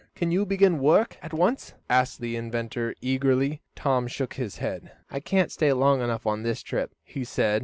"Can you begin work at once?" asked the inventor, eagerly. Tom shook his head. "I can't stay long enough on this trip," he said.